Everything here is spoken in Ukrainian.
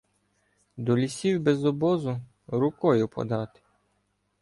До лісів без обозу — рукою подати.